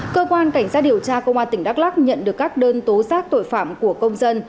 cơ quan cảnh sát điều tra công an tỉnh đắk lắc nhận được các đơn tố giác tội phạm của công dân